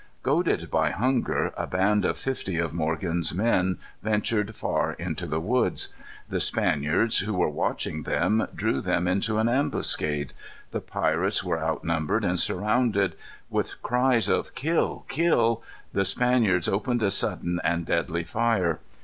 Goaded by hunger, a band of fifty of Morgan's men ventured far into the woods. The Spaniards, who were watching them, drew them into an ambuscade. The pirates were outnumbered and surrounded. With cries of "Kill, kill," the Spaniards opened a sudden and deadly fire.